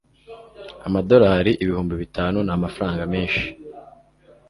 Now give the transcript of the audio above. Amadolari ibihumbi bitanu ni amafaranga menshi.